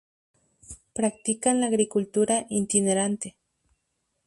Practican la agricultura itinerante.